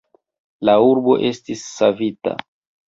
La urbo estis savita.